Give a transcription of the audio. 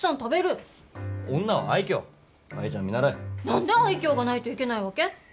何で愛嬌がないといけないわけ？